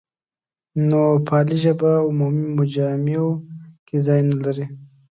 نوپالي ژبه عمومي مجامعو کې ځای نه لري.